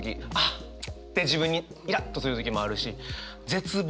って自分にイラッとする時もあるし絶望。